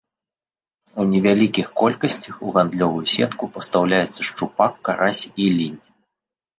У невялікіх колькасцях у гандлёвую сетку пастаўляецца шчупак, карась, лінь.